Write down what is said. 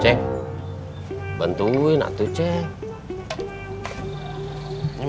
cek bentuknya nanti cek